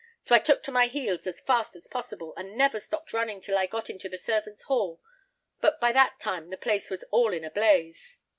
So I took to my heels as fast as possible, and never stopped running till I got into the servants' hall, but by that time the place was all in a blaze."